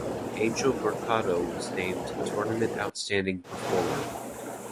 Angel Mercado was named Tournament Outstanding Performer.